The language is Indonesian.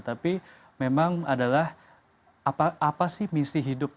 tapi memang adalah apa sih misi hidup